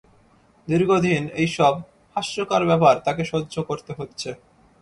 দীর্ঘদিন এইসব হাস্যকর ব্যাপার তাকে সহ্য করতে হচ্ছে।